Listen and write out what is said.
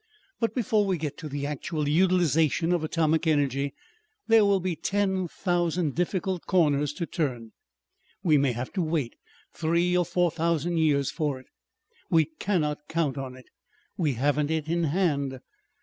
But before we get to the actual utilization of atomic energy there will be ten thousand difficult corners to turn; we may have to wait three or four thousand years for it. We cannot count on it. We haven't it in hand.